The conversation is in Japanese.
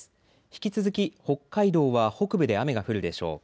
引き続き北海道は北部で雨が降るでしょう。